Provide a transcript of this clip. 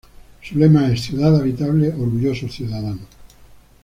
Su lema es ""Ciudad habitable, orgullosos ciudadanos"".